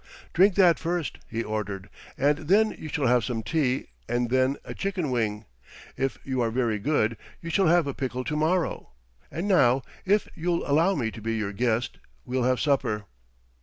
"Drink that first" he ordered, "and then you shall have some tea, and then a chicken wing. If you are very good you shall have a pickle to morrow. And now, if you'll allow me to be your guest we'll have supper."